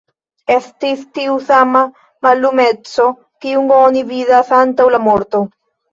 Estis tiu sama mallumeco, kiun oni vidas antaŭ la morto!